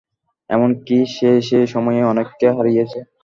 এমনকি, সে সে সময়ে অনেককে হারিয়েছে।